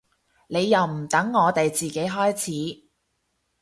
你又唔等我哋自己開始